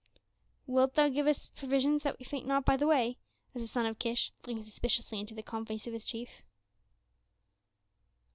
"Wilt thou give us provisions that we faint not by the way?" asked the son of Kish, looking suspiciously into the calm face of his chief.